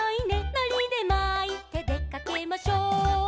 「のりでまいてでかけましょう」